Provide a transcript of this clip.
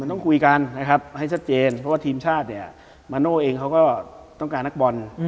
มันต้องคุยกันให้ชัดเจนเพราะว่าทีมชาติมาโน่เองเขาก็ต้องการนักบอล